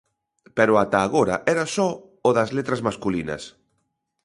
Pero ata agora era só o das letras masculinas.